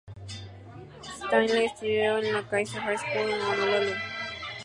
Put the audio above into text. Stanley estudió en la Kaiser High School en Honolulú.